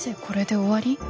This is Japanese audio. これで終わり？